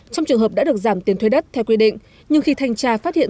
trong trường hợp đã được giảm tiền thuê đất theo quy định nhưng khi thanh tra phát hiện